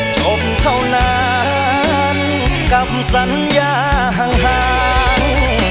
จบเท่านั้นกับสัญญาห่าง